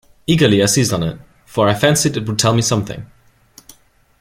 Eagerly I seized on it, for I fancied it would tell me something.